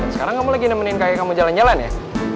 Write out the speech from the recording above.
sekarang kamu lagi nemenin kayak kamu jalan jalan ya